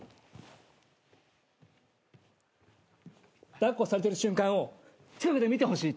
抱っこされてる瞬間を近くで見てほしいって。